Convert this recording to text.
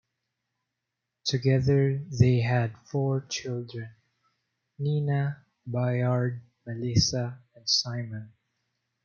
Together, they had four children: Nina, Bayard, Melissa, and Simon.